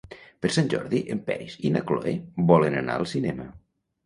Per Sant Jordi en Peris i na Cloè volen anar al cinema.